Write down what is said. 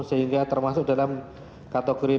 sehingga termasuk dalam kategori